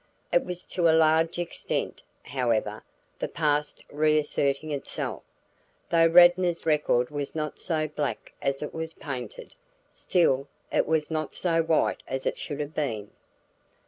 It was to a large extent, however, the past reasserting itself. Though Radnor's record was not so black as it was painted, still, it was not so white as it should have been.